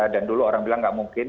dan dulu orang bilang tidak mungkin